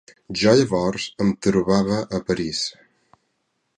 Jo llavors em trobava a París.